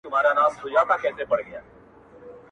دا لالونه- غرونه- غرونه دمن زما دی-